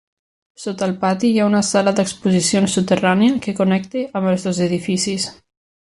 Sota el pati hi ha una sala d'exposicions soterrània que connecta amb els dos edificis.